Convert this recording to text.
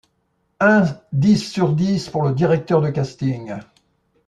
Un dix sur dix pour le directeur de casting.